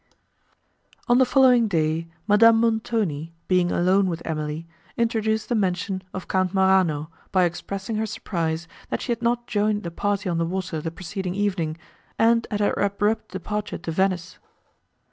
On the following day, Madame Montoni, being alone with Emily, introduced the mention of Count Morano, by expressing her surprise, that she had not joined the party on the water the preceding evening, and at her abrupt departure to Venice.